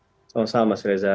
assalamualaikum mas reza